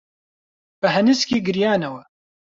بە هەنسکی گریانەوە